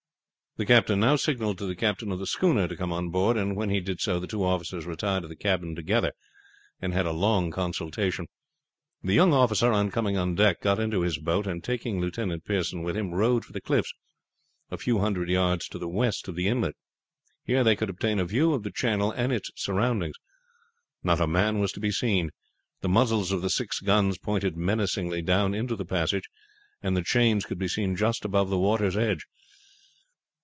The captain now signaled to the captain of the schooner to come on board, and when he did so the two officers retired to the cabin together and had a long consultation. The young officer on coming on deck got into his boat, and taking Lieutenant Pearson with him rowed for the cliffs, a few hundred yards to the west of the inlet. Here they could obtain a view of the channel and its surroundings. Not a man was to be seen. The muzzles of the six guns pointed menacingly down into the passage, and the chains could be seen just above the water's edge.